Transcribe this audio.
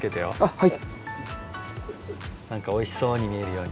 はい。